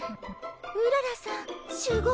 うららさん酒豪。